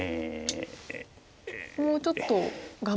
もうちょっと頑張って。